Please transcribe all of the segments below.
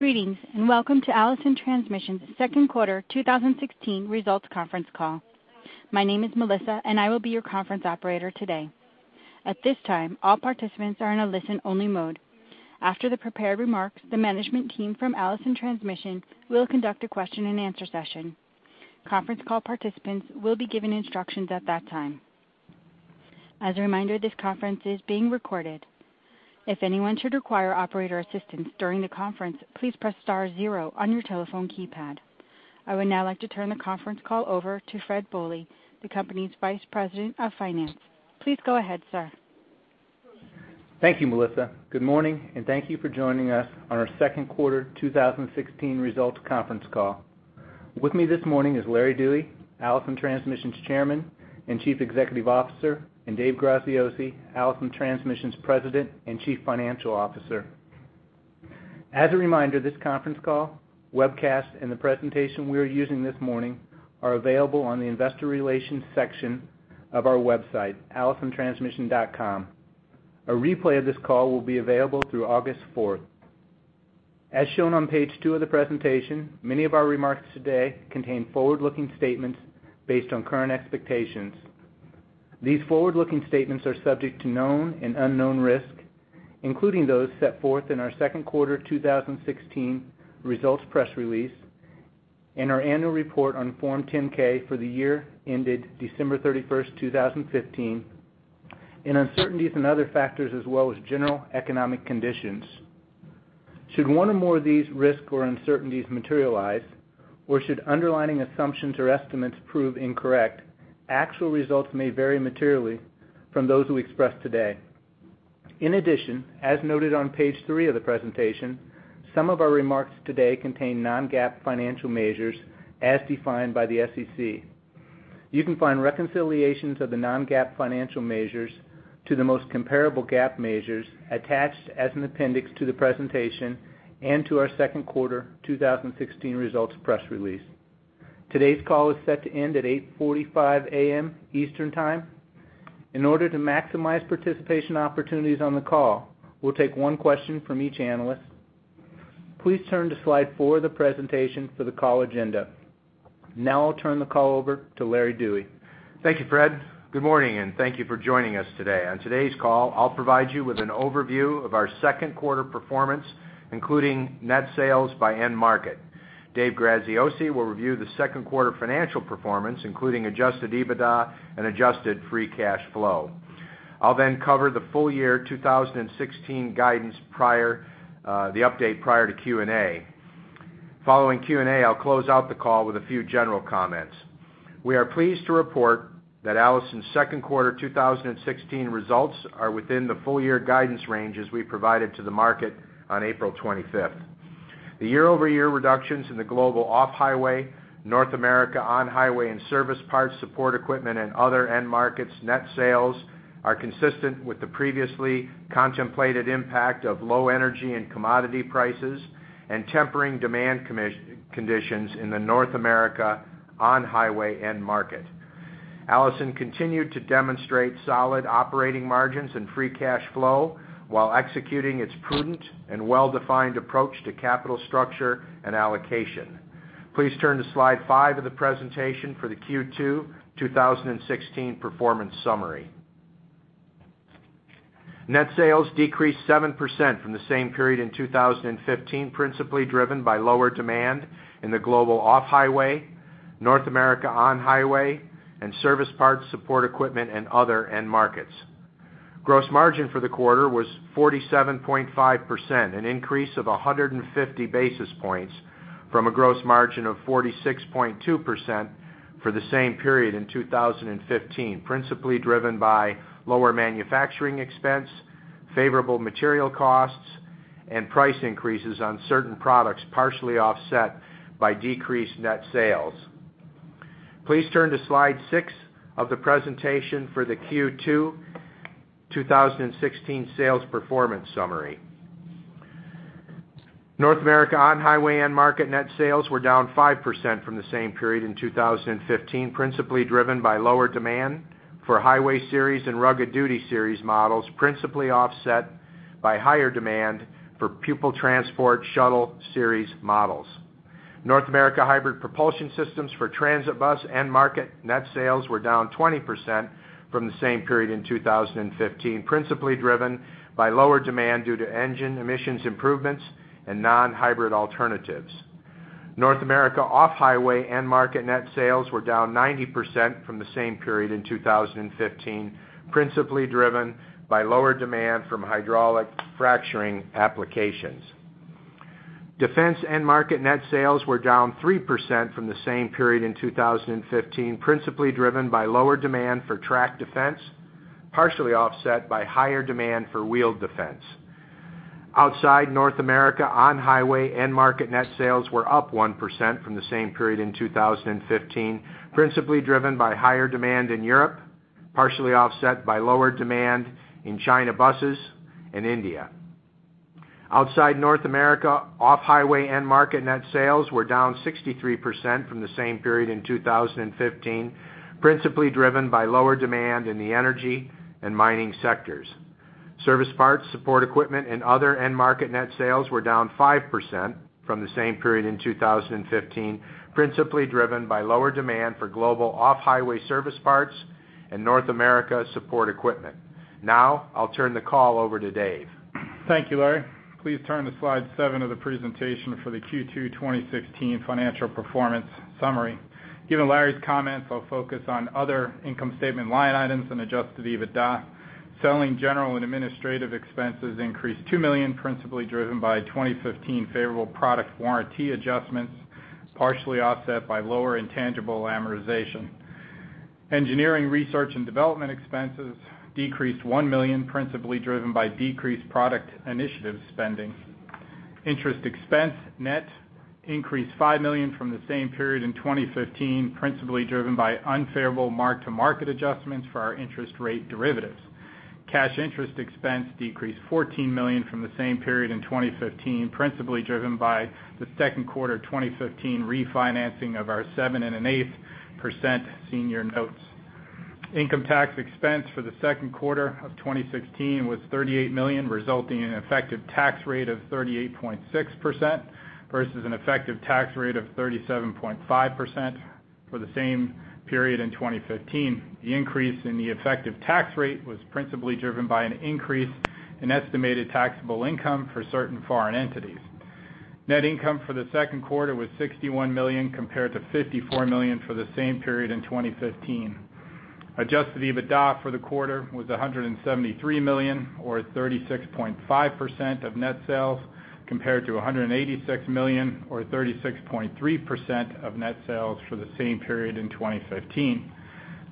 Greetings, and welcome to Allison Transmission's second quarter 2016 results conference call. My name is Melissa, and I will be your conference operator today. At this time, all participants are in a listen-only mode. After the prepared remarks, the management team from Allison Transmission will conduct a question-and-answer session. Conference call participants will be given instructions at that time. As a reminder, this conference is being recorded. If anyone should require operator assistance during the conference, please press star zero on your telephone keypad. I would now like to turn the conference call over to Fred Bohley, the company's Vice President of Finance. Please go ahead, sir. Thank you, Melissa. Good morning, and thank you for joining us on our second quarter 2016 results conference call. With me this morning is Larry Dewey, Allison Transmission's Chairman and Chief Executive Officer, and Dave Graziosi, Allison Transmission's President and Chief Financial Officer. As a reminder, this conference call, webcast, and the presentation we are using this morning are available on the investor relations section of our website, allisontransmission.com. A replay of this call will be available through August 4th. As shown on page two of the presentation, many of our remarks today contain forward-looking statements based on current expectations. These forward-looking statements are subject to known and unknown risks, including those set forth in our second quarter 2016 results press release and our annual report on Form 10-K for the year ended December 31, 2015, and uncertainties and other factors, as well as general economic conditions. Should one or more of these risks or uncertainties materialize, or should underlying assumptions or estimates prove incorrect, actual results may vary materially from those we express today. In addition, as noted on page three of the presentation, some of our remarks today contain non-GAAP financial measures as defined by the SEC. You can find reconciliations of the non-GAAP financial measures to the most comparable GAAP measures attached as an appendix to the presentation and to our second quarter 2016 results press release. Today's call is set to end at 8:45 A.M. Eastern Time. In order to maximize participation opportunities on the call, we'll take one question from each analyst. Please turn to slide four of the presentation for the call agenda. Now I'll turn the call over to Larry Dewey. Thank you, Fred. Good morning, and thank you for joining us today. On today's call, I'll provide you with an overview of our second quarter performance, including net sales by end market. Dave Graziosi will review the second quarter financial performance, including Adjusted EBITDA and Adjusted Free Cash Flow. I'll then cover the full year 2016 guidance prior, the update prior to Q&A. Following Q&A, I'll close out the call with a few general comments. We are pleased to report that Allison's second quarter 2016 results are within the full-year guidance ranges we provided to the market on April 25. The year-over-year reductions in the global off-highway, North America on-highway and service parts, support equipment, and other end markets net sales are consistent with the previously contemplated impact of low energy and commodity prices and tempering demand conditions in the North America on-highway end market. Allison continued to demonstrate solid operating margins and free cash flow while executing its prudent and well-defined approach to capital structure and allocation. Please turn to slide 5 of the presentation for the Q2 2016 performance summary. Net sales decreased 7% from the same period in 2015, principally driven by lower demand in the global off-highway, North America on-highway, and service parts, support equipment, and other end markets. Gross margin for the quarter was 47.5%, an increase of 150 basis points from a gross margin of 46.2% for the same period in 2015, principally driven by lower manufacturing expense, favorable material costs, and price increases on certain products, partially offset by decreased net sales. Please turn to slide six of the presentation for the Q2 2016 sales performance summary. North America on-highway end market net sales were down 5% from the same period in 2015, principally driven by lower demand for Highway Series and Rugged Duty Series models, principally offset by higher demand for Pupil Transport/Shuttle Series models. North America hybrid propulsion systems for transit bus end market net sales were down 20% from the same period in 2015, principally driven by lower demand due to engine emissions improvements and non-hybrid alternatives. North America off-highway end market net sales were down 90% from the same period in 2015, principally driven by lower demand from hydraulic fracturing applications. Defense end market net sales were down 3% from the same period in 2015, principally driven by lower demand for track defense, partially offset by higher demand for wheeled defense. Outside North America, on-highway end market net sales were up 1% from the same period in 2015, principally driven by higher demand in Europe, partially offset by lower demand in China buses and India. Outside North America, off-highway end market net sales were down 63% from the same period in 2015, principally driven by lower demand in the energy and mining sectors. Service parts, support equipment, and other end market net sales were down 5% from the same period in 2015, principally driven by lower demand for global off-highway service parts and North America support equipment. Now, I'll turn the call over to Dave. Thank you, Larry. Please turn to slide seven of the presentation for the Q2 2016 financial performance summary. Given Larry's comments, I'll focus on other income statement line items and adjusted EBITDA. Selling, general and administrative expenses increased $2 million, principally driven by 2015 favorable product warranty adjustments, partially offset by lower intangible amortization. Engineering, research, and development expenses decreased $1 million, principally driven by decreased product initiative spending. Interest expense net increased $5 million from the same period in 2015, principally driven by unfavorable mark-to-market adjustments for our interest rate derivatives. Cash interest expense decreased $14 million from the same period in 2015, principally driven by the second quarter of 2015 refinancing of our 7.8% senior notes. Income tax expense for the second quarter of 2016 was $38 million, resulting in an effective tax rate of 38.6% versus an effective tax rate of 37.5% for the same period in 2015. The increase in the effective tax rate was principally driven by an increase in estimated taxable income for certain foreign entities. Net income for the second quarter was $61 million, compared to $54 million for the same period in 2015. Adjusted EBITDA for the quarter was $173 million, or 36.5% of net sales, compared to $186 million, or 36.3% of net sales for the same period in 2015.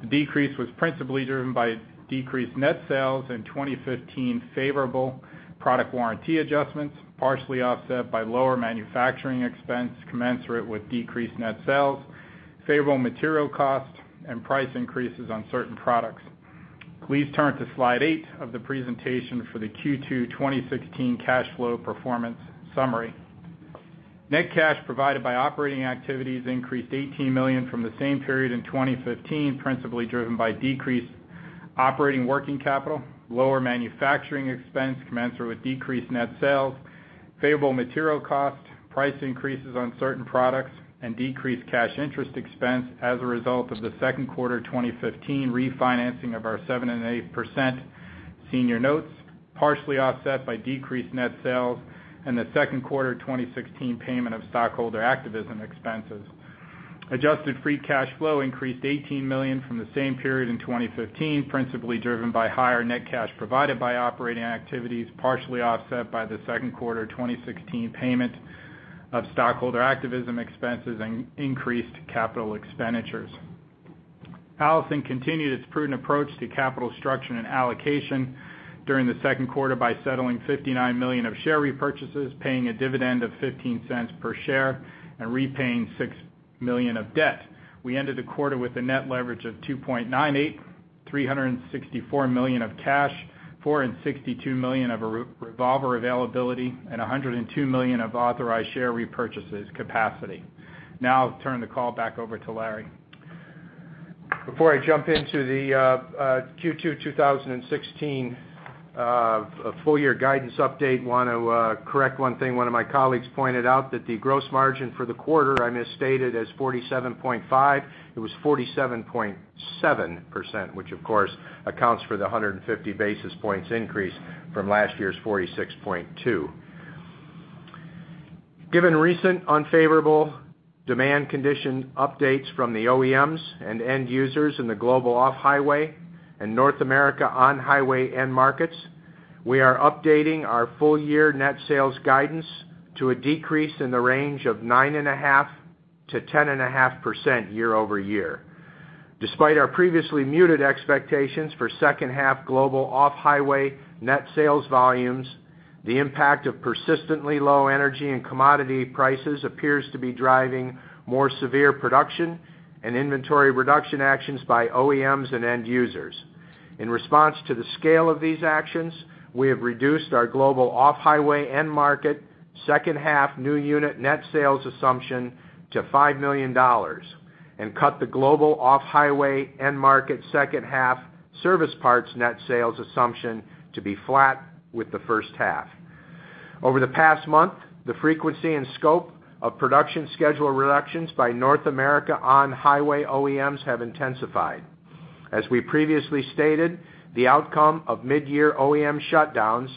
The decrease was principally driven by decreased net sales in 2015, favorable product warranty adjustments, partially offset by lower manufacturing expense commensurate with decreased net sales, favorable material costs, and price increases on certain products. Please turn to slide 8 of the presentation for the Q2 2016 cash flow performance summary. Net cash provided by operating activities increased $18 million from the same period in 2015, principally driven by decreased operating working capital, lower manufacturing expense commensurate with decreased net sales, favorable material cost, price increases on certain products, and decreased cash interest expense as a result of the second quarter of 2015 refinancing of our 7.8% senior notes, partially offset by decreased net sales and the second quarter of 2016 payment of stockholder activism expenses. Adjusted free cash flow increased $18 million from the same period in 2015, principally driven by higher net cash provided by operating activities, partially offset by the second quarter of 2016 payment of stockholder activism expenses and increased capital expenditures. Allison continued its prudent approach to capital structure and allocation during the second quarter by settling $59 million of share repurchases, paying a dividend of $0.15 per share, and repaying $6 million of debt. We ended the quarter with a net leverage of 2.98, $364 million of cash, $462 million of revolver availability, and $102 million of authorized share repurchases capacity. Now I'll turn the call back over to Larry. Before I jump into the Q2 2016 full year guidance update, I want to correct one thing. One of my colleagues pointed out that the gross margin for the quarter I misstated as 47.5. It was 47.7%, which, of course, accounts for the 150 basis points increase from last year's 46.2. Given recent unfavorable demand condition updates from the OEMs and end users in the global off-highway and North America on-highway end markets, we are updating our full year net sales guidance to a decrease in the range of 9.5%-10.5% year-over-year. Despite our previously muted expectations for second half global off-highway net sales volumes, the impact of persistently low energy and commodity prices appears to be driving more severe production and inventory reduction actions by OEMs and end users. In response to the scale of these actions, we have reduced our global off-highway end market second half new unit net sales assumption to $5 million, and cut the global off-highway end market second half service parts net sales assumption to be flat with the first half. Over the past month, the frequency and scope of production schedule reductions by North America on-highway OEMs have intensified. As we previously stated, the outcome of mid-year OEM shutdowns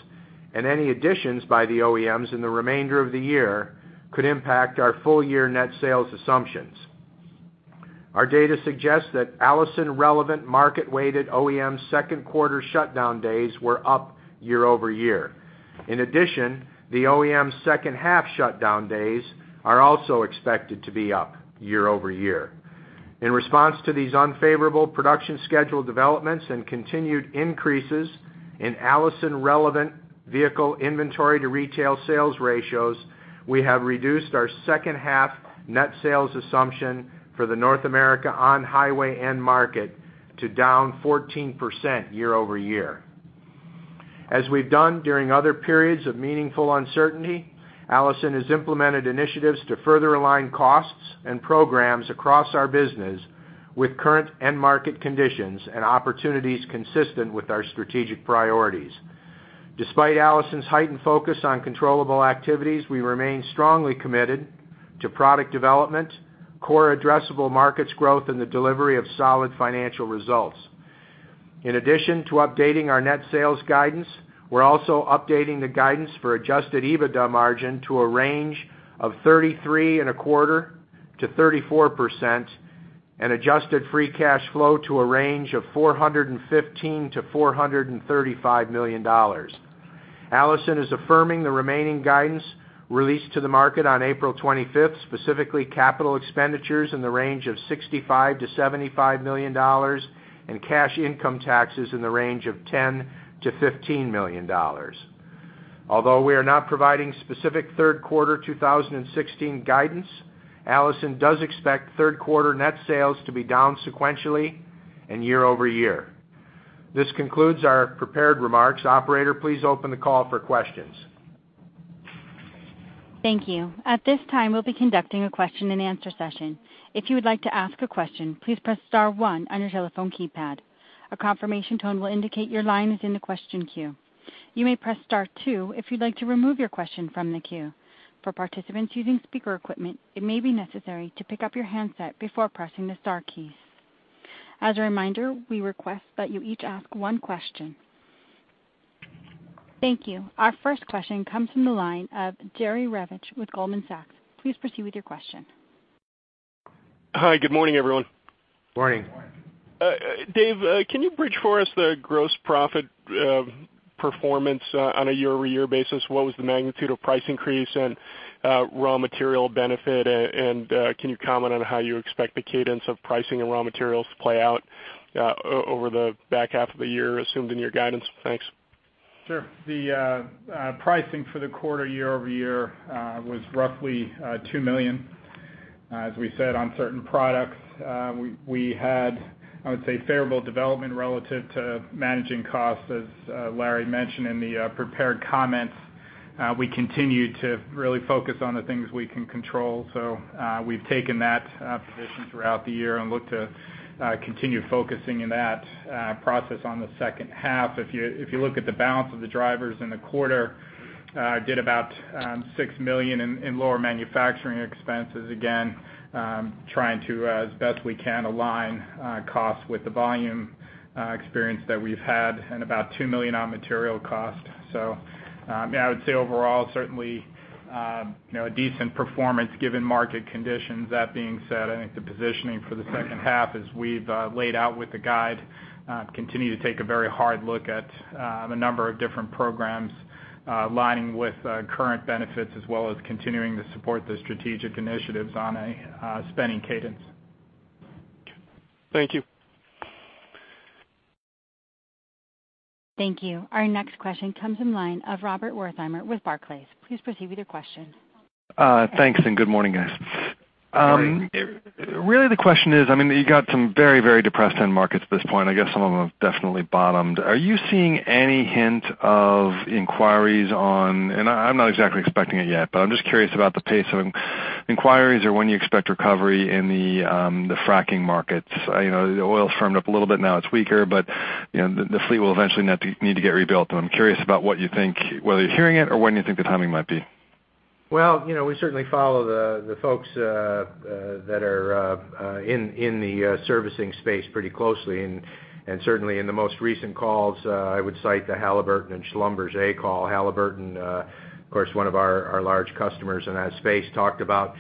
and any additions by the OEMs in the remainder of the year could impact our full-year net sales assumptions. Our data suggests that Allison-relevant market-weighted OEM second quarter shutdown days were up year-over-year. In addition, the OEM's second half shutdown days are also expected to be up year-over-year. In response to these unfavorable production schedule developments and continued increases in Allison-relevant vehicle inventory to retail sales ratios, we have reduced our second half net sales assumption for the North America on-highway end market to down 14% year-over-year. As we've done during other periods of meaningful uncertainty, Allison has implemented initiatives to further align costs and programs across our business with current end market conditions and opportunities consistent with our strategic priorities. Despite Allison's heightened focus on controllable activities, we remain strongly committed to product development, core addressable markets growth, and the delivery of solid financial results. In addition to updating our net sales guidance, we're also updating the guidance for adjusted EBITDA margin to a range of 33.25%-34%, and adjusted free cash flow to a range of $415 million-$435 million. Allison is affirming the remaining guidance released to the market on April 25, specifically capital expenditures in the range of $65 million-$75 million and cash income taxes in the range of $10 million-$15 million. Although we are not providing specific third quarter 2016 guidance, Allison does expect third quarter net sales to be down sequentially and year-over-year. This concludes our prepared remarks. Operator, please open the call for questions. Thank you. At this time, we'll be conducting a question-and-answer session. If you would like to ask a question, please press star one on your telephone keypad. A confirmation tone will indicate your line is in the question queue. You may press star two if you'd like to remove your question from the queue. For participants using speaker equipment, it may be necessary to pick up your handset before pressing the star keys. As a reminder, we request that you each ask one question. Thank you. Our first question comes from the line of Jerry Revich with Goldman Sachs. Please proceed with your question. Hi, good morning, everyone. Morning. Dave, can you bridge for us the gross profit performance on a year-over-year basis? What was the magnitude of price increase and raw material benefit, and can you comment on how you expect the cadence of pricing and raw materials to play out over the back half of the year, assumed in your guidance? Thanks. Sure. The pricing for the quarter year-over-year was roughly $2 million. As we said, on certain products, we had, I would say, favorable development relative to managing costs. As Larry mentioned in the prepared comments, we continued to really focus on the things we can control. So, we've taken that position throughout the year and look to continue focusing in that process on the second half. If you look at the balance of the drivers in the quarter, did about $6 million in lower manufacturing expenses, again, trying to, as best we can, align costs with the volume experience that we've had, and about $2 million on material costs. So, yeah, I would say overall, certainly, you know, a decent performance given market conditions. That being said, I think the positioning for the second half, as we've laid out with the guide, continue to take a very hard look at the number of different programs, aligning with current benefits, as well as continuing to support the strategic initiatives on a spending cadence. Thank you. Thank you. Our next question comes from line of Robert Wertheimer with Barclays. Please proceed with your question. Thanks, and good morning, guys. Morning. Really, the question is, I mean, you got some very, very depressed end markets at this point. I guess some of them have definitely bottomed. Are you seeing any hint of inquiries on... And I, I'm not exactly expecting it yet, but I'm just curious about the pace of inquiries or when you expect recovery in the, the fracking markets. You know, the oil's firmed up a little bit, now it's weaker, but, you know, the fleet will eventually have to need to get rebuilt. I'm curious about what you think, whether you're hearing it or when you think the timing might be. Well, you know, we certainly follow the folks that are in the servicing space pretty closely. And certainly in the most recent calls, I would cite the Halliburton and Schlumberger call. Halliburton, of course, one of our large customers in that space, talked about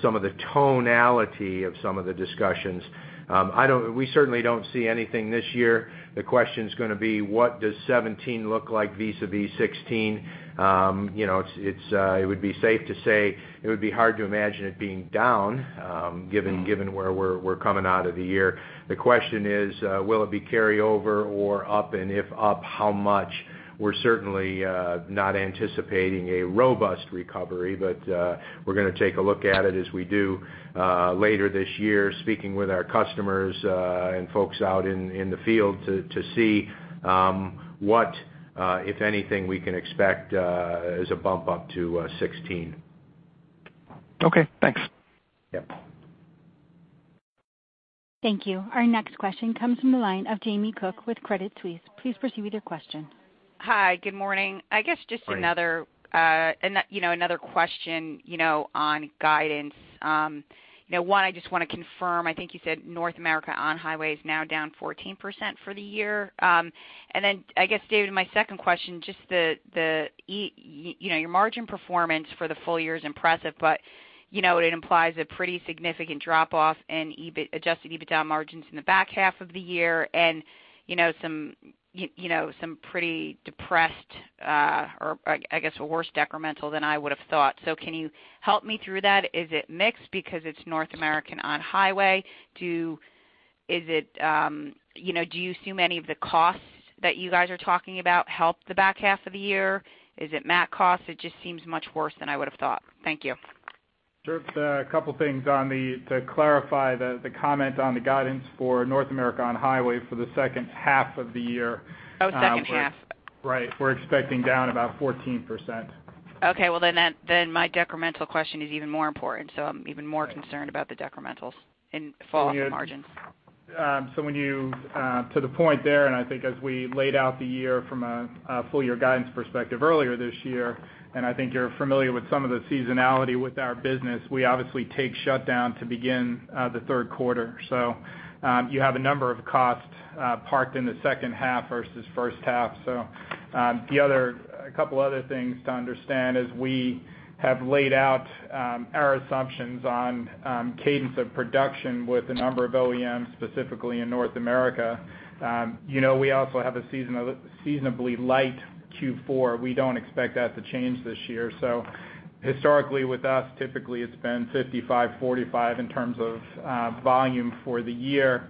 some of the tonality of some of the discussions. I don't-- we certainly don't see anything this year. The question's gonna be, what does 2017 look like vis-a-vis 2016? You know, it's, it would be safe to say it would be hard to imagine it being down, given where we're coming out of the year. The question is, will it be carryover or up, and if up, how much? We're certainly not anticipating a robust recovery, but we're gonna take a look at it as we do later this year, speaking with our customers and folks out in the field to see what if anything we can expect as a bump up to 2016. Okay, thanks. Yep. Thank you. Our next question comes from the line of Jamie Cook with Credit Suisse. Please proceed with your question. Hi, good morning. Morning. I guess just another, you know, another question, you know, on guidance. You know, one, I just want to confirm, I think you said North America on-highway is now down 14% for the year. And then, I guess, David, my second question, just the, you know, your margin performance for the full year is impressive, but, you know, it implies a pretty significant drop-off in EBIT, Adjusted EBITDA margins in the back half of the year and, you know, some, you know, some pretty depressed, or I guess, a worse decremental than I would have thought. So can you help me through that? Is it mixed because it's North American on-highway? Is it, you know, do you assume any of the costs that you guys are talking about help the back half of the year? Is it mat costs? It just seems much worse than I would have thought. Thank you. Sure. A couple things to clarify the comment on the guidance for North America on-highway for the second half of the year. Oh, second half. Right. We're expecting down about 14%.... Okay, well, then that, then my decremental question is even more important, so I'm even more concerned about the decrementals in falling margins. To the point there, and I think as we laid out the year from a full year guidance perspective earlier this year, and I think you're familiar with some of the seasonality with our business, we obviously take shutdown to begin the third quarter. So, you have a number of costs parked in the second half versus first half. So, the other, a couple other things to understand is we have laid out our assumptions on cadence of production with a number of OEMs, specifically in North America. You know, we also have a seasonally light Q4. We don't expect that to change this year. So historically, with us, typically, it's been 55-45 in terms of volume for the year.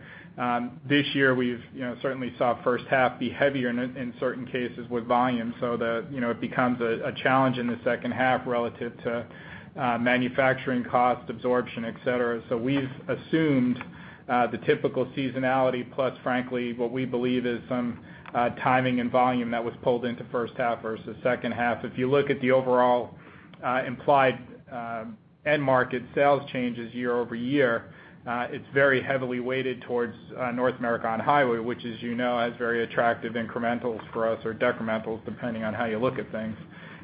This year, we've, you know, certainly saw first half be heavier in certain cases with volume. So the, you know, it becomes a challenge in the second half relative to manufacturing cost, absorption, et cetera. So we've assumed the typical seasonality plus, frankly, what we believe is some timing and volume that was pulled into first half versus second half. If you look at the overall implied end market sales changes year-over-year, it's very heavily weighted towards North America on highway, which, as you know, has very attractive incrementals for us, or decrementals, depending on how you look at things.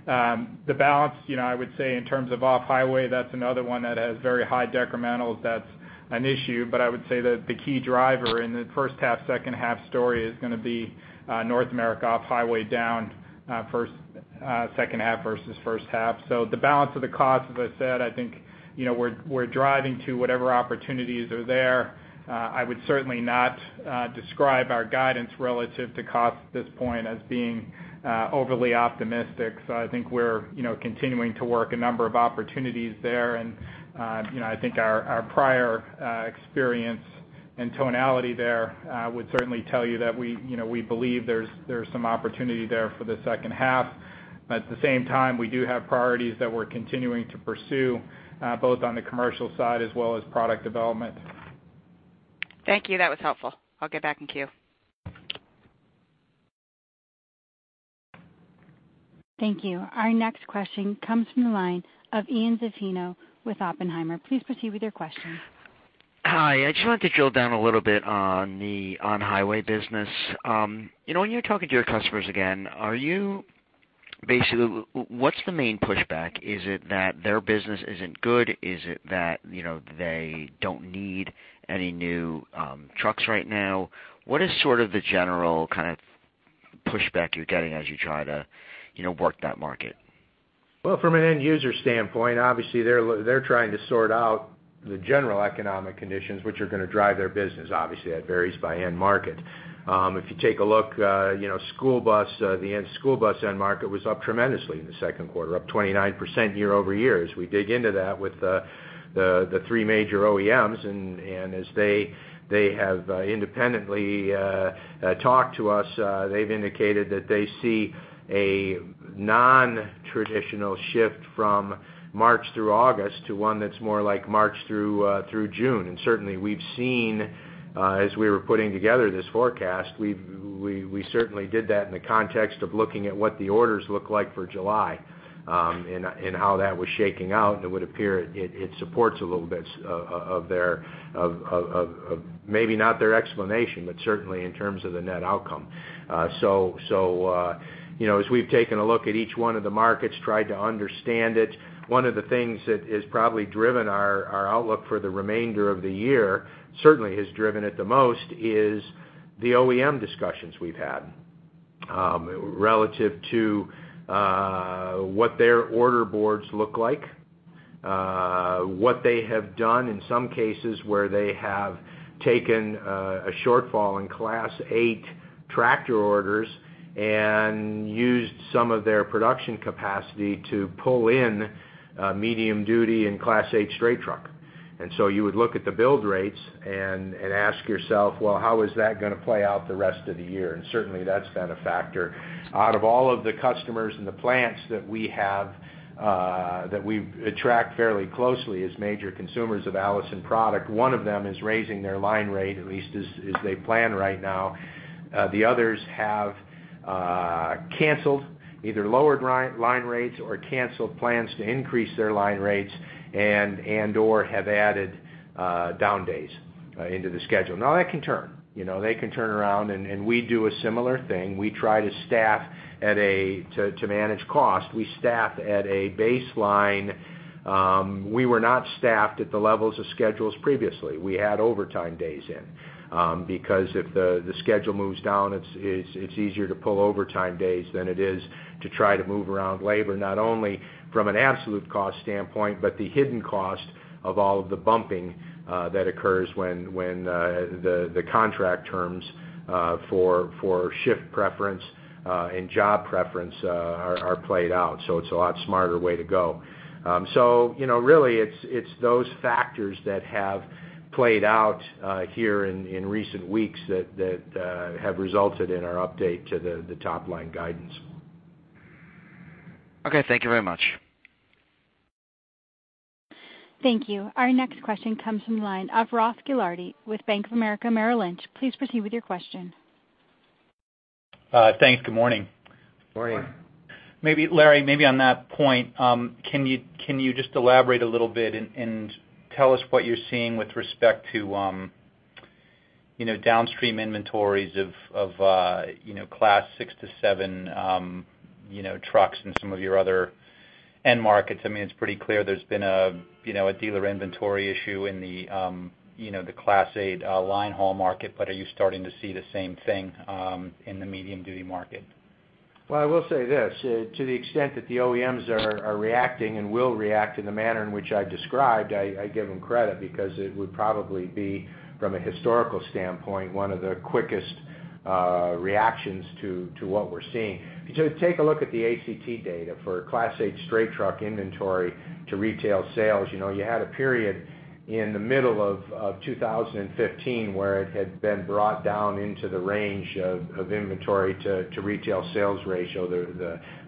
The balance, you know, I would say, in terms of off-highway, that's another one that has very high decrementals. That's an issue, but I would say that the key driver in the first half, second half story is gonna be North America off-highway down first, second half versus first half. So the balance of the costs, as I said, I think, you know, we're, we're driving to whatever opportunities are there. I would certainly not describe our guidance relative to cost at this point as being overly optimistic. So I think we're, you know, continuing to work a number of opportunities there. And, you know, I think our, our prior experience and tonality there would certainly tell you that we, you know, we believe there's, there's some opportunity there for the second half. At the same time, we do have priorities that we're continuing to pursue both on the commercial side as well as product development. Thank you. That was helpful. I'll get back in queue. Thank you. Our next question comes from the line of Ian Zaffino with Oppenheimer. Please proceed with your question. Hi, I just wanted to drill down a little bit on the on-highway business. You know, when you're talking to your customers again, are you basically, what's the main pushback? Is it that their business isn't good? Is it that, you know, they don't need any new trucks right now? What is sort of the general kind of pushback you're getting as you try to, you know, work that market? Well, from an end user standpoint, obviously, they're trying to sort out the general economic conditions which are gonna drive their business. Obviously, that varies by end market. If you take a look, you know, school bus, the end school bus end market was up tremendously in the second quarter, up 29% year-over-year. As we dig into that with the three major OEMs, and as they have independently talked to us, they've indicated that they see a nontraditional shift from March through August to one that's more like March through June. And certainly, we've seen, as we were putting together this forecast, we certainly did that in the context of looking at what the orders look like for July, and how that was shaking out. And it would appear it supports a little bit of their, maybe not their explanation, but certainly in terms of the net outcome. You know, as we've taken a look at each one of the markets, tried to understand it, one of the things that has probably driven our outlook for the remainder of the year, certainly has driven it the most, is the OEM discussions we've had relative to what their order boards look like, what they have done, in some cases where they have taken a shortfall in Class 8 tractor orders and used some of their production capacity to pull in medium duty and Class 8 straight truck. So you would look at the build rates and ask yourself, "Well, how is that gonna play out the rest of the year?" Certainly, that's been a factor. Out of all of the customers in the plants that we have that we've tracked fairly closely as major consumers of Allison product, one of them is raising their line rate, at least as they plan right now. The others have canceled, either lowered line rates or canceled plans to increase their line rates and/or have added down days into the schedule. Now, that can turn, you know, they can turn around, and we do a similar thing. We try to staff at a baseline to manage cost, we staff at a baseline. We were not staffed at the levels of schedules previously. We had overtime days in, because if the schedule moves down, it's easier to pull overtime days than it is to try to move around labor, not only from an absolute cost standpoint, but the hidden cost of all of the bumping that occurs when the contract terms for shift preference and job preference are played out. So it's a lot smarter way to go. So, you know, really, it's those factors that have played out here in recent weeks that have resulted in our update to the top-line guidance. Okay, thank you very much. Thank you. Our next question comes from the line of Ross Gilardi with Bank of America Merrill Lynch. Please proceed with your question. Thanks. Good morning. Morning. Maybe, Larry, maybe on that point, can you, can you just elaborate a little bit and, and tell us what you're seeing with respect to, you know, downstream inventories of, of, you know, Class 6 to 7, you know, trucks and some of your other end markets? I mean, it's pretty clear there's been a, you know, a dealer inventory issue in the, you know, the Class 8, line haul market. But are you starting to see the same thing, in the medium-duty market? Well, I will say this, to the extent that the OEMs are reacting and will react in the manner in which I described, I give them credit because it would probably be, from a historical standpoint, one of the quickest reactions to what we're seeing. Just take a look at the ACT data for Class 8 straight truck inventory to retail sales. You know, you had a period in the middle of 2015 where it had been brought down into the range of inventory to retail sales ratio,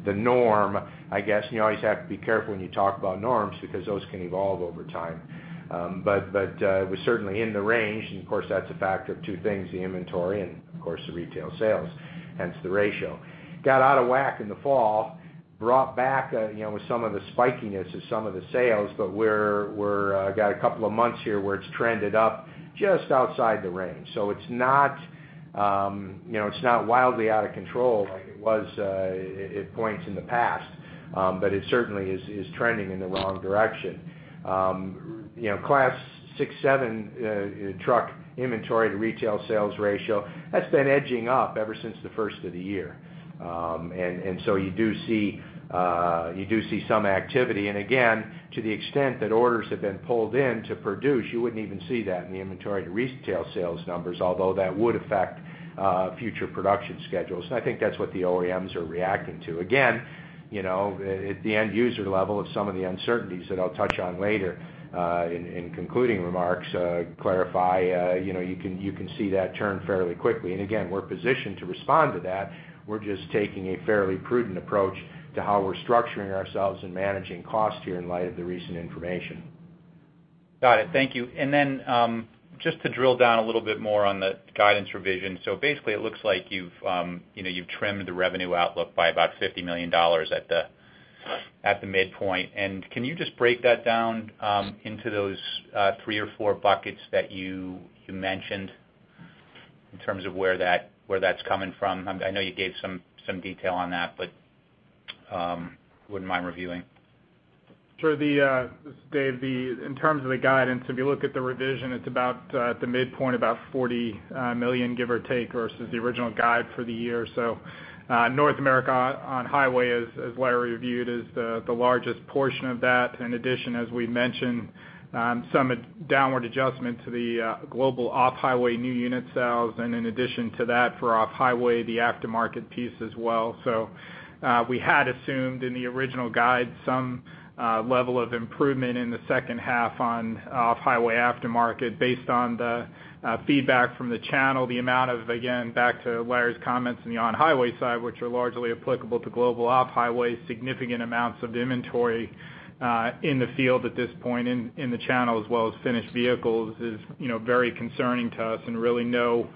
the norm, I guess. And you always have to be careful when you talk about norms, because those can evolve over time. But it was certainly in the range. Of course, that's a fact of two things, the inventory and, of course, the retail sales, hence the ratio. Got out of whack in the fall, brought back, you know, with some of the spikiness of some of the sales, but we're got a couple of months here where it's trended up just outside the range. So it's not, you know, it's not wildly out of control like it was at points in the past, but it certainly is trending in the wrong direction. You know, Class 6, 7 truck inventory to retail sales ratio, that's been edging up ever since the first of the year. And so you do see some activity. And again, to the extent that orders have been pulled in to produce, you wouldn't even see that in the inventory to retail sales numbers, although that would affect future production schedules. And I think that's what the OEMs are reacting to. Again, you know, at the end user level of some of the uncertainties that I'll touch on later in concluding remarks, clarify, you know, you can, you can see that turn fairly quickly. And again, we're positioned to respond to that. We're just taking a fairly prudent approach to how we're structuring ourselves and managing costs here in light of the recent information. Got it. Thank you. And then, just to drill down a little bit more on the guidance revision. So basically, it looks like you've, you know, you've trimmed the revenue outlook by about $50 million at the midpoint. And can you just break that down into those three or four buckets that you mentioned in terms of where that's coming from? I'm. I know you gave some detail on that, but wouldn't mind reviewing. Sure. The, Dave, the—in terms of the guidance, if you look at the revision, it's about, at the midpoint, about $40 million, give or take, versus the original guide for the year. So, North America on-highway, as, as Larry reviewed, is the, the largest portion of that. In addition, as we mentioned, some downward adjustment to the, global off-highway new unit sales, and in addition to that, for off-highway, the aftermarket piece as well. So, we had assumed in the original guide some, level of improvement in the second half on off-highway aftermarket. Based on the feedback from the channel, the amount of, again, back to Larry's comments on the on-highway side, which are largely applicable to global off-highway, significant amounts of the inventory in the field at this point in the channel, as well as finished vehicles, is, you know, very concerning to us and really no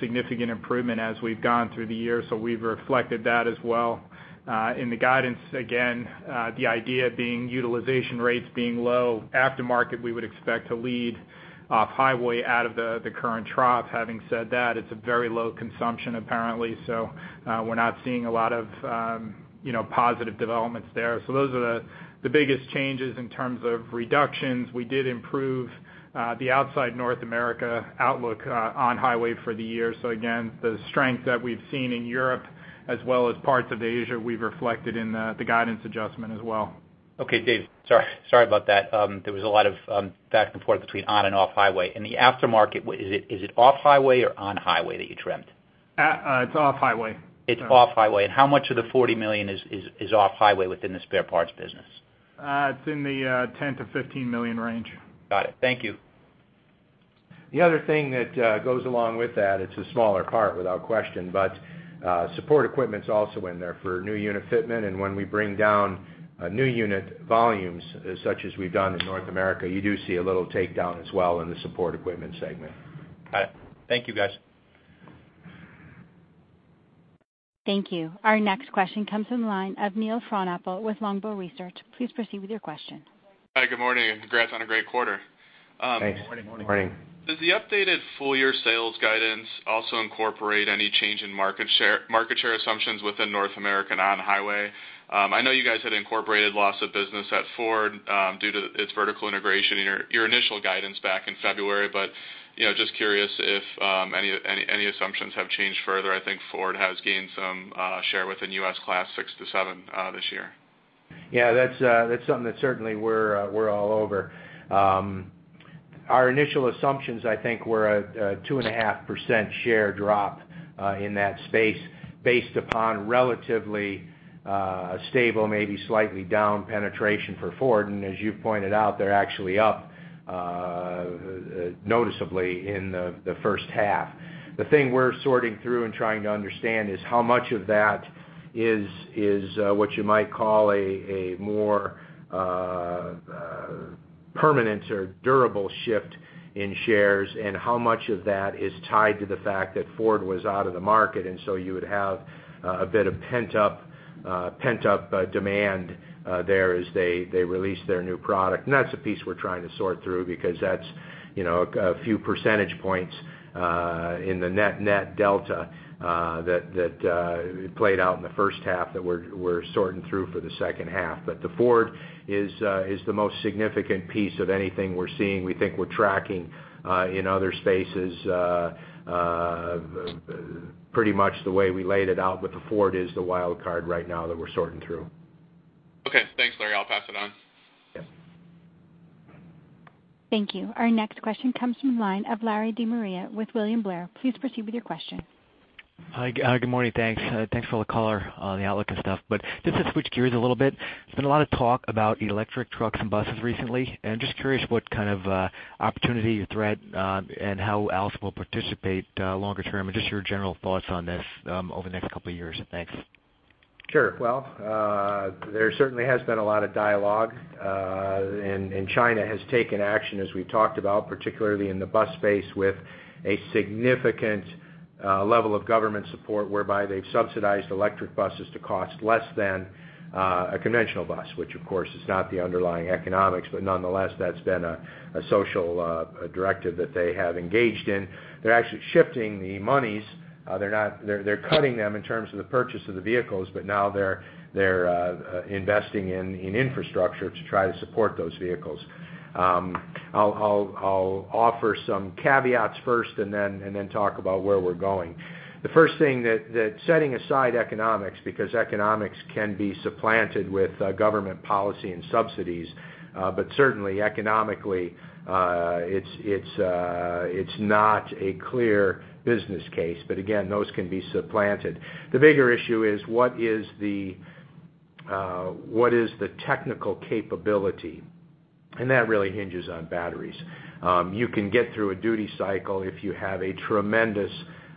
significant improvement as we've gone through the year. So we've reflected that as well in the guidance. Again, the idea being utilization rates being low. Aftermarket, we would expect to lead off-highway out of the current trough. Having said that, it's a very low consumption, apparently, so we're not seeing a lot of, you know, positive developments there. So those are the biggest changes in terms of reductions. We did improve the outside North America outlook on highway for the year. So again, the strength that we've seen in Europe as well as parts of Asia, we've reflected in the guidance adjustment as well. Okay, Dave, sorry, sorry about that. There was a lot of back and forth between on-highway and off-highway. In the aftermarket, is it, is it off-highway or on-highway that you trimmed? It's off-highway. It's off-highway. And how much of the $40 million is off-highway within the spare parts business? It's in the $10 million-$15 million range. Got it. Thank you. The other thing that, goes along with that, it's a smaller part, without question, but, support equipment's also in there for new unit fitment. And when we bring down, new unit volumes, such as we've done in North America, you do see a little takedown as well in the support equipment segment. All right. Thank you, guys. Thank you. Our next question comes from the line of Neil Frohnapple with Longbow Research. Please proceed with your question. Hi, good morning, and congrats on a great quarter. Thanks. Good morning. Does the updated full-year sales guidance also incorporate any change in market share, market share assumptions within North America and on-highway? I know you guys had incorporated loss of business at Ford, due to its vertical integration in your, your initial guidance back in February, but, you know, just curious if any assumptions have changed further. I think Ford has gained some share within U.S. Class 6-7 this year. Yeah, that's something that certainly we're all over. Our initial assumptions, I think, were a 2.5% share drop in that space, based upon relatively stable, maybe slightly down penetration for Ford. And as you pointed out, they're actually up noticeably in the first half. The thing we're sorting through and trying to understand is how much of that is what you might call a more permanent or durable shift in shares, and how much of that is tied to the fact that Ford was out of the market, and so you would have a bit of pent-up demand there as they release their new product. And that's a piece we're trying to sort through because that's, you know, a few percentage points in the net-net delta that played out in the first half that we're sorting through for the second half. But the Ford is the most significant piece of anything we're seeing. We think we're tracking in other spaces pretty much the way we laid it out, but the Ford is the wild card right now that we're sorting through. Okay. Thanks, Larry, I'll pass it on. Yes. Thank you. Our next question comes from the line of Larry DeMaria with William Blair. Please proceed with your question. Hi, good morning, thanks. Thanks for all the color on the outlook and stuff. But just to switch gears a little bit, there's been a lot of talk about electric trucks and buses recently, and just curious what kind of opportunity or threat, and how Allison will participate longer term, and just your general thoughts on this over the next couple of years. Thanks. Sure. Well, there certainly has been a lot of dialogue, and China has taken action, as we talked about, particularly in the bus space, with a significant level of government support, whereby they've subsidized electric buses to cost less than a conventional bus, which, of course, is not the underlying economics. But nonetheless, that's been a social directive that they have engaged in. They're actually shifting the monies. They're not. They're investing in infrastructure to try to support those vehicles. I'll offer some caveats first, and then talk about where we're going. The first thing that setting aside economics, because economics can be supplanted with government policy and subsidies, but certainly economically, it's not a clear business case. But again, those can be supplanted. The bigger issue is, what is the technical capability? And that really hinges on batteries. You can get through a duty cycle if you have a tremendous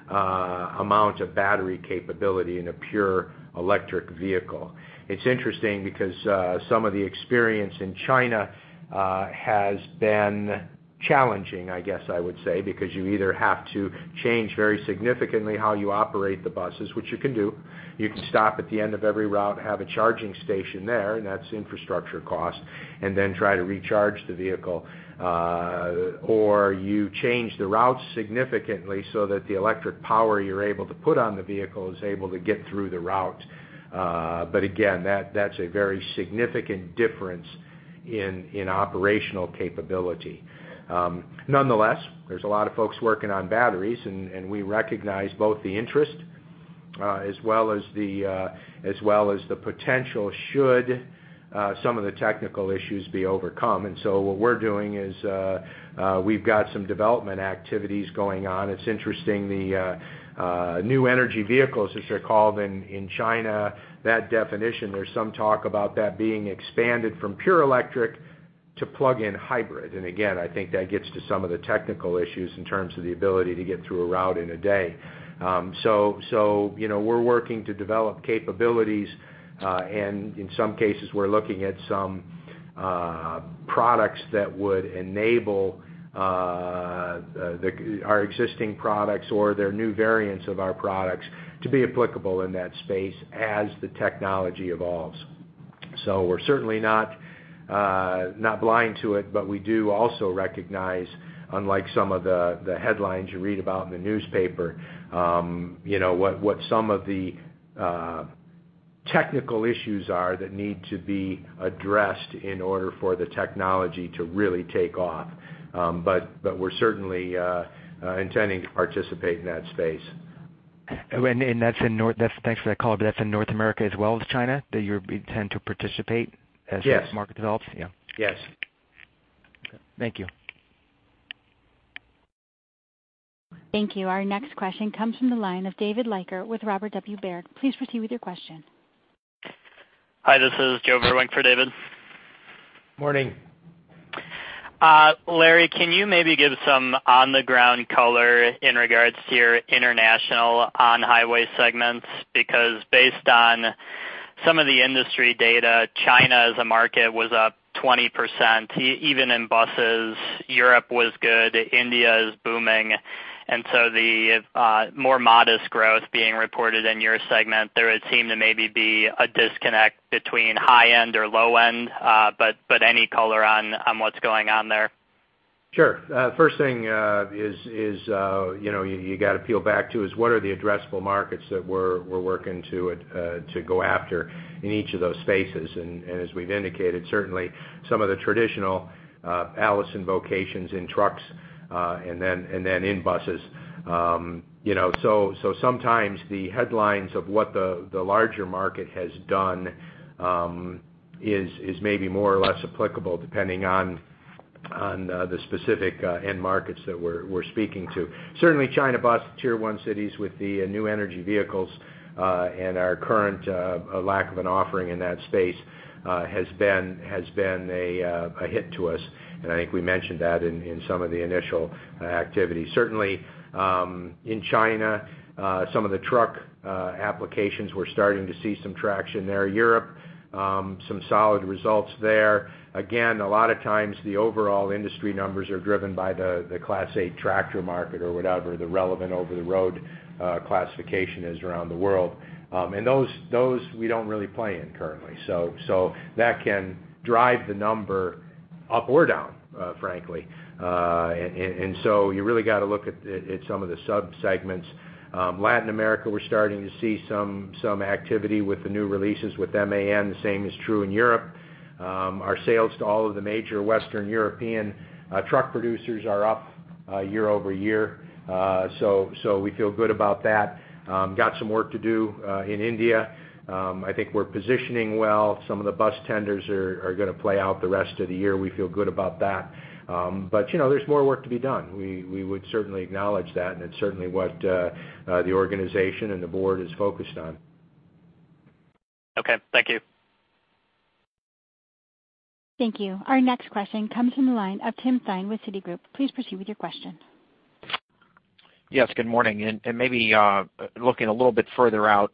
amount of battery capability in a pure electric vehicle. It's interesting because some of the experience in China has been challenging, I guess I would say, because you either have to change very significantly how you operate the buses, which you can do. You can stop at the end of every route, have a charging station there, and that's infrastructure cost, and then try to recharge the vehicle. Or you change the route significantly so that the electric power you're able to put on the vehicle is able to get through the route. But again, that's a very significant difference in operational capability. Nonetheless, there's a lot of folks working on batteries, and we recognize both the interest, as well as the potential should some of the technical issues be overcome. And so what we're doing is, we've got some development activities going on. It's interesting, the new energy vehicles, as they're called in China, that definition, there's some talk about that being expanded from pure electric to plug-in hybrid. And again, I think that gets to some of the technical issues in terms of the ability to get through a route in a day. So, you know, we're working to develop capabilities, and in some cases, we're looking at some products that would enable our existing products or their new variants of our products to be applicable in that space as the technology evolves. So we're certainly not blind to it, but we do also recognize, unlike some of the headlines you read about in the newspaper, you know, what some of the technical issues are that need to be addressed in order for the technology to really take off. But we're certainly intending to participate in that space. That's in North America as well as China, that you're—you intend to participate as- Yes. that market develops? Yeah. Yes. Thank you. Thank you. Our next question comes from the line of David Leiker with Robert W. Baird. Please proceed with your question. Hi, this is Joe Vruwink for David. Morning. Larry, can you maybe give some on-the-ground color in regards to your international on-highway segments? Because based on some of the industry data, China, as a market, was up 20%. Even in buses, Europe was good, India is booming, and so the more modest growth being reported in your segment, there would seem to maybe be a disconnect between high end or low end, but any color on what's going on there? Sure. First thing is, you know, you gotta peel back to what are the addressable markets that we're working to go after in each of those spaces? And as we've indicated, certainly some of the traditional Allison vocations in trucks and then in buses. You know, sometimes the headlines of what the larger market has done is maybe more or less applicable, depending on the specific end markets that we're speaking to. Certainly, China bus Tier 1 cities with the new energy vehicles and our current lack of an offering in that space has been a hit to us, and I think we mentioned that in some of the initial activity. Certainly, in China, some of the truck applications, we're starting to see some traction there. Europe, some solid results there. Again, a lot of times the overall industry numbers are driven by the Class 8 tractor market or whatever the relevant over-the-road classification is around the world. And those we don't really play in currently. So that can drive the number up or down, frankly. And so you really got to look at some of the subsegments. Latin America, we're starting to see some activity with the new releases with MAN. The same is true in Europe. Our sales to all of the major Western European truck producers are up year-over-year. So we feel good about that. Got some work to do in India. I think we're positioning well. Some of the bus tenders are gonna play out the rest of the year. We feel good about that. But, you know, there's more work to be done. We would certainly acknowledge that, and it's certainly what the organization and the board is focused on. Okay. Thank you. Thank you. Our next question comes from the line of Tim Thein with Citigroup. Please proceed with your question. Yes, good morning. And maybe looking a little bit further out,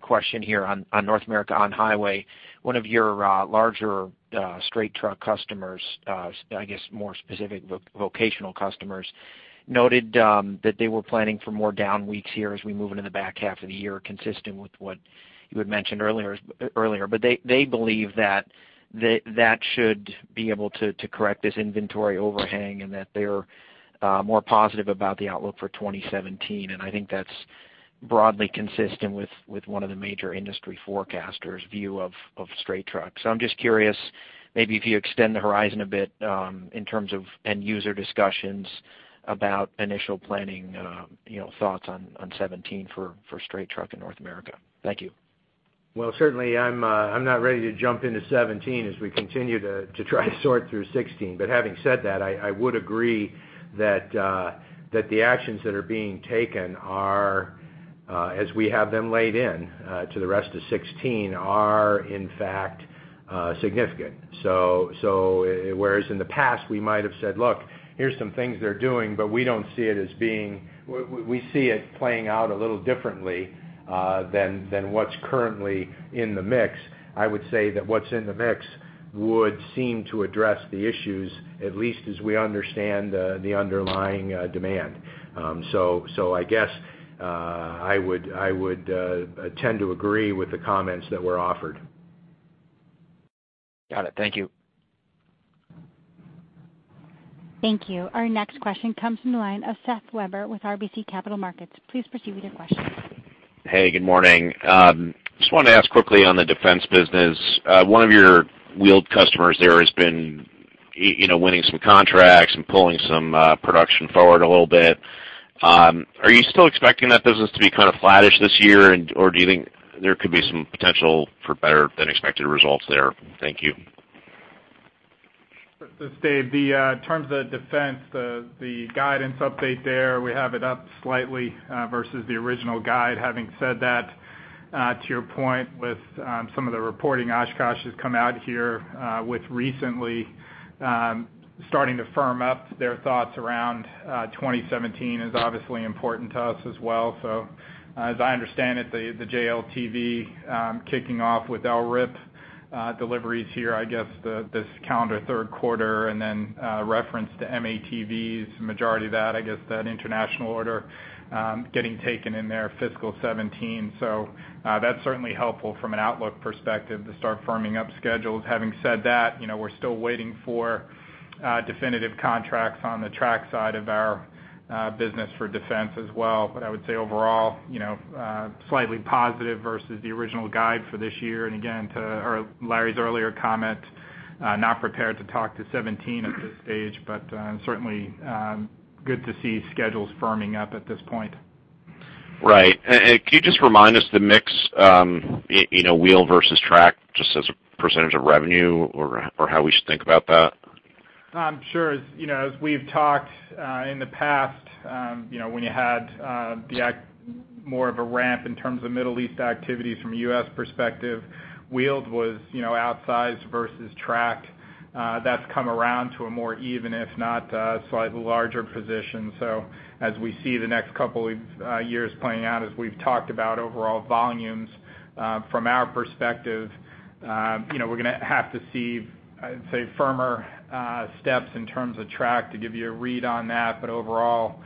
question here on North America, on highway. One of your larger straight truck customers, I guess, more specific, vocational customers, noted that they were planning for more down weeks here as we move into the back half of the year, consistent with what you had mentioned earlier. But they believe that that should be able to correct this inventory overhang, and that they're more positive about the outlook for 2017. And I think that's broadly consistent with one of the major industry forecasters' view of straight trucks. So I'm just curious, maybe if you extend the horizon a bit, in terms of end user discussions about initial planning, you know, thoughts on 2017 for straight truck in North America. Thank you. Well, certainly, I'm not ready to jump into 2017 as we continue to try to sort through 2016. But having said that, I would agree that the actions that are being taken are, as we have them laid in, to the rest of 2016, are in fact significant. So, whereas in the past, we might have said, "Look, here's some things they're doing, but we don't see it as being, we see it playing out a little differently than what's currently in the mix." I would say that what's in the mix would seem to address the issues, at least as we understand the underlying demand. So, I guess, I would tend to agree with the comments that were offered. Got it. Thank you. Thank you. Our next question comes from the line of Seth Weber with RBC Capital Markets. Please proceed with your question. Hey, good morning. Just wanted to ask quickly on the defense business. One of your wheeled customers there has been, you know, winning some contracts and pulling some production forward a little bit. Are you still expecting that business to be kind of flattish this year, and or do you think there could be some potential for better than expected results there? Thank you. This is Dave. In terms of defense, the guidance update there, we have it up slightly versus the original guide. Having said that, to your point, with some of the reporting Oshkosh has come out here with recently starting to firm up their thoughts around 2017 is obviously important to us as well. So as I understand it, the JLTV kicking off with LRIP deliveries here, I guess, this calendar third quarter, and then reference to M-ATVs, majority of that, I guess, that international order getting taken in their fiscal 2017. So that's certainly helpful from an outlook perspective to start firming up schedules. Having said that, you know, we're still waiting for definitive contracts on the track side of our business for defense as well. I would say overall, you know, slightly positive versus the original guide for this year. Again, or Larry's earlier comment, not prepared to talk to 2017 at this stage, but certainly, good to see schedules firming up at this point. Right. And can you just remind us the mix, you know, wheel versus track, just as a percentage of revenue or how we should think about that? Sure. You know, as we've talked in the past, you know, when you had more of a ramp in terms of Middle East activities from a U.S. perspective, wheeled was, you know, outsized versus track. That's come around to a more even, if not slightly larger position. So as we see the next couple of years playing out, as we've talked about overall volumes from our perspective, you know, we're gonna have to see, I'd say, firmer steps in terms of track to give you a read on that. But overall,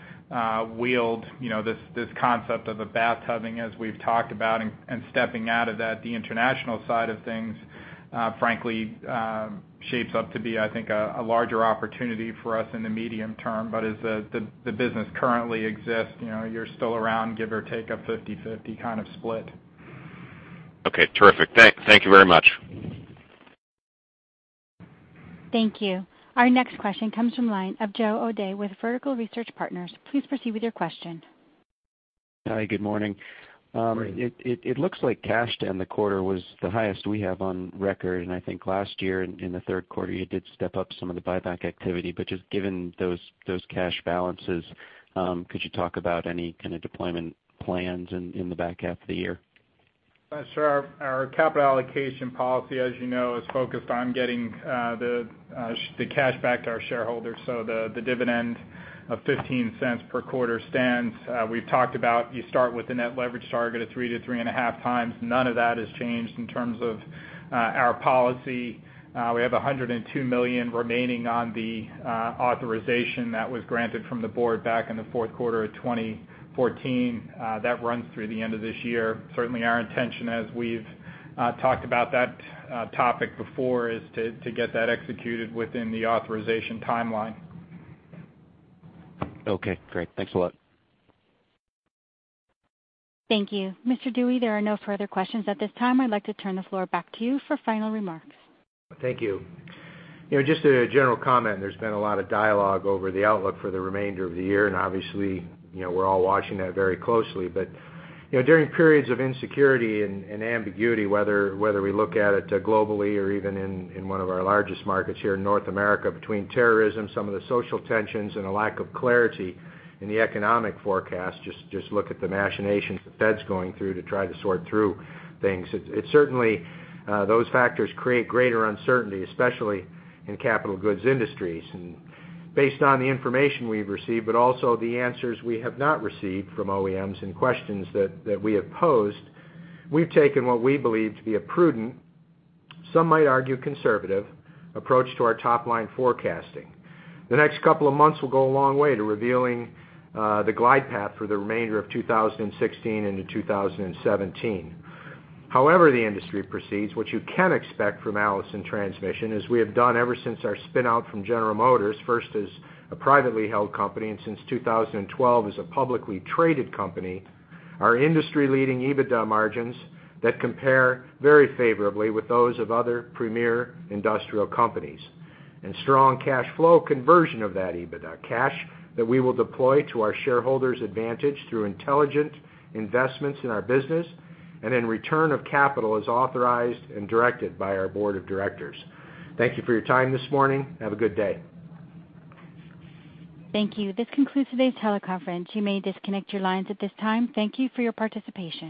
wheeled, you know, this concept of a bathtubbing, as we've talked about, and stepping out of that, the international side of things, frankly, shapes up to be, I think, a larger opportunity for us in the medium term. But as the business currently exists, you know, you're still around, give or take, a 50/50 kind of split. Okay, terrific. Thank you very much. Thank you. Our next question comes from the line of Joe O'Dea with Vertical Research Partners. Please proceed with your question. Hi, good morning. Good morning. It looks like cash to end the quarter was the highest we have on record, and I think last year in the third quarter, you did step up some of the buyback activity. But just given those cash balances, could you talk about any kind of deployment plans in the back half of the year? Sure. Our capital allocation policy, as you know, is focused on getting the cash back to our shareholders. So the dividend of $0.15 per quarter stands. We've talked about, you start with the net leverage target of 3x-3.5x. None of that has changed in terms of our policy. We have $102 million remaining on the authorization that was granted from the board back in the fourth quarter of 2014. That runs through the end of this year. Certainly, our intention, as we've talked about that topic before, is to get that executed within the authorization timeline.... Okay, great. Thanks a lot. Thank you. Mr. Dewey, there are no further questions at this time. I'd like to turn the floor back to you for final remarks. Thank you. You know, just a general comment. There's been a lot of dialogue over the outlook for the remainder of the year, and obviously, you know, we're all watching that very closely. But, you know, during periods of insecurity and ambiguity, whether we look at it globally or even in one of our largest markets here in North America, between terrorism, some of the social tensions, and a lack of clarity in the economic forecast, just look at the machinations the Fed's going through to try to sort through things. It certainly those factors create greater uncertainty, especially in capital goods industries. Based on the information we've received, but also the answers we have not received from OEMs and questions that we have posed, we've taken what we believe to be a prudent, some might argue, conservative approach to our top-line forecasting. The next couple of months will go a long way to revealing the glide path for the remainder of 2016 into 2017. However, the industry proceeds, which you can expect from Allison Transmission, as we have done ever since our spin out from General Motors, first as a privately held company, and since 2012, as a publicly traded company, our industry-leading EBITDA margins that compare very favorably with those of other premier industrial companies, and strong cash flow conversion of that EBITDA. Cash that we will deploy to our shareholders' advantage through intelligent investments in our business and in return of capital, as authorized and directed by our board of directors. Thank you for your time this morning. Have a good day. Thank you. This concludes today's teleconference. You may disconnect your lines at this time. Thank you for your participation.